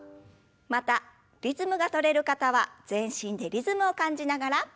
またリズムが取れる方は全身でリズムを感じながら。